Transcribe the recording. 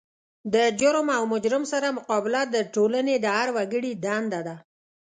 د جرم او مجرم سره مقابله د ټولنې د هر وګړي دنده ده.